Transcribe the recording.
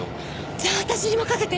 じゃあ私に任せて！